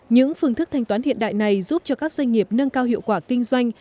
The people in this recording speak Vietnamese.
những phương thức thanh toán hiện đại này giúp cho các doanh nghiệp nâng cao hiệu quả kinh doanh